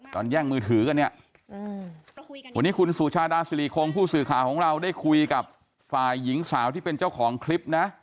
แย่งมือถือกันเนี่ยวันนี้คุณสุชาดาสิริคงผู้สื่อข่าวของเราได้คุยกับฝ่ายหญิงสาวที่เป็นเจ้าของคลิปนะ